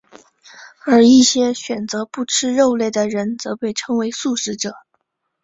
而一些选择不吃肉类的人则被称为素食者。